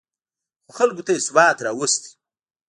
خو خلکو ته یې ثبات راوستی و